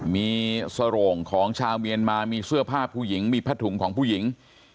มีสโรงของชาวเมียนมามีเสื้อผ้าผู้หญิงมีผ้าถุงของผู้หญิง